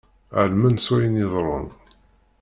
Ɛelmen s wayen iḍerrun.